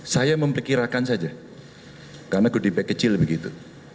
saya memperkirakan saja karena gue dipekecil begitu